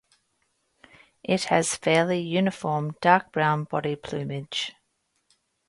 It has fairly uniform dark brown body plumage.